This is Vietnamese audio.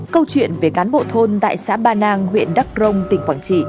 câu chuyện về cán bộ thôn tại xã ba nang huyện đắc rông tỉnh quảng trị